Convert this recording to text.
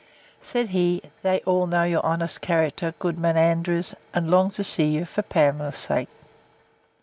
Said he, They all know your honest character, Goodman Andrews, and long to see you, for Pamela's sake.